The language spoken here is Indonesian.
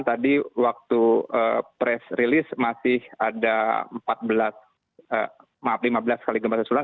tadi waktu press release masih ada lima belas kali gempa susulan